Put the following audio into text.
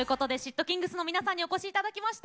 ＊ｔｋｉｎｇｚの皆さんにお越しいただきました。